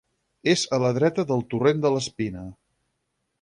És a la dreta del torrent de l'Espina.